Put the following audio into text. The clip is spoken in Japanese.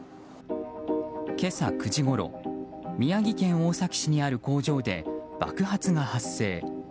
今朝９時ごろ宮城県大崎市にある工場で爆発が発生。